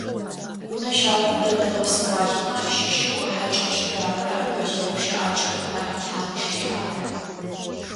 Унэу щагум дэтыгъэ псэуалъэмэ ащыщэу хьакӏэщыр ары адыгэ лъэпкъ щыӏакӏэм анахь мэхьанэ щызиӏагъэр.